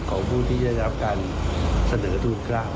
ของผู้ที่จะรับการเสนอโทษกล้าว